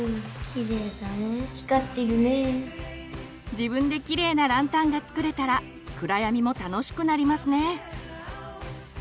自分でキレイなランタンが作れたら暗闇も楽しくなりますね。